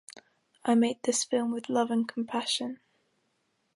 I made this film with love and compassion.